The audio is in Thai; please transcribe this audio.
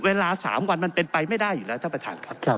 เวลา๓วันมันเป็นไปไม่ได้อยู่แล้วท่านประธานครับ